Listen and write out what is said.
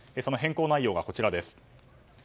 変更内容がこちらです。